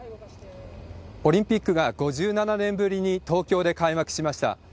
オリンピックが５７年ぶりに東京で開幕しました。